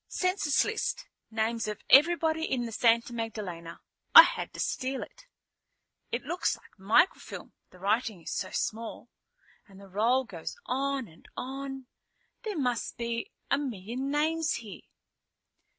"Census list. Names of everybody in the Santa Magdalena. I had to steal it." "It looks like microfilm, the writing is so small. And the roll goes on and on. There must be a million names here."